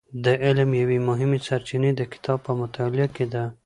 د علم یوې مهمې سرچینې د کتاب په مطالعه کې ده.